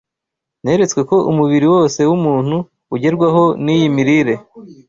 Neretswe ko umubiri wose w’umuntu ugerwaho n’iyi mirire